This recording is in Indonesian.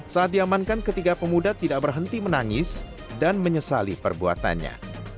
saat diamankan ketiga pemuda tidak berhenti menangis dan menyesali perbuatannya